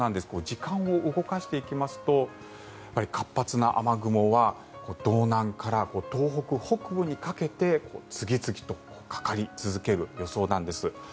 時間を動かしていきますと活発な雨雲は道南から東北北部にかけて次々とかかり続ける予想なんです。